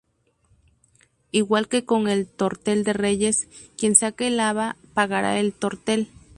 Igual que con el tortel de Reyes, quien saque el haba pagará el tortel.